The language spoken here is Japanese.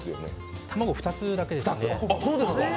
卵２つだけですね。